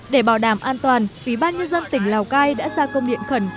để bảo đảm an toàn ubnd tỉnh lào cai đã ra công điện khẩn